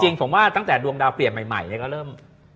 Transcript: จริงผมว่าตั้งแต่ดวงดาวเปลี่ยนใหม่ก็เริ่ม